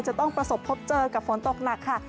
จะต้องประสบพบเจอกับฝนตกหนักค่ะ